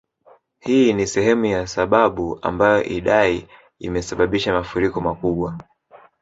Hii ni sehemu ya sababu ambayo Idai imesababisha mafuriko makubwa